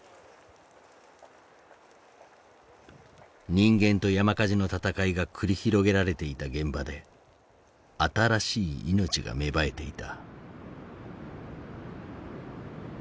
人間と山火事の闘いが繰り広げられていた現場で新しい命が芽生えていた。